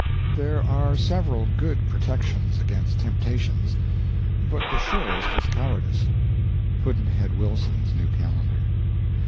There are several good protections against temptations, but the surest is cowardice. Pudd'nhead Wilson's New Calendar.